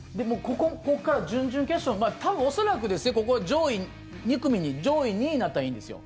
ここから準々決勝に多分、恐らく上位２組に上位２位になったらいいんですよ